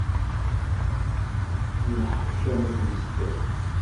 Tenneḥcam ad tmeslay.